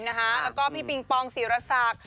แล้วก็พี่ปิงปองสีรสัก